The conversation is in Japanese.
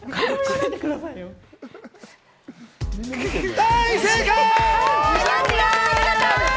大正解！